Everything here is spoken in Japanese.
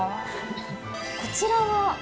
こちらは？